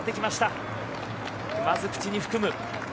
まず口に含む。